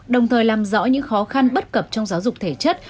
đồng thời làm rõ những khó khăn bất cập trong giáo dục thể chất